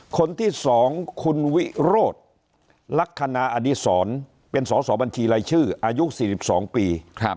คนที่๒คุณวิโรธลักษณะอดีศรเป็นสอสอบัญชีรายชื่ออายุ๔๒ปี